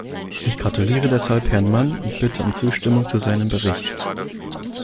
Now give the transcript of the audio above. Ich gratuliere deshalb Herrn Mann und bitte um Zustimmung zu seinem Bericht.